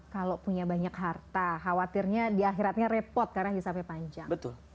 kalau punya banyak harta khawatirnya di akhiratnya repot karena hisapnya panjang